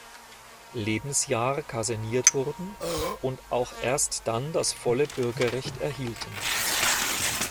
Lebensjahr kaserniert wurden und auch erst dann das volle Bürgerrecht erhielten.